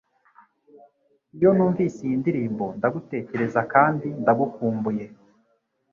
Iyo numvise iyi ndirimbo ndagutekereza kandi ndagukumbuye